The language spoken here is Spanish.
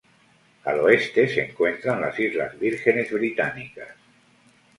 Al oeste se encuentran las Islas Vírgenes Británicas.